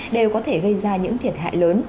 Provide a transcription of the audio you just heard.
đều có thể gây ra những thiệt hại lớn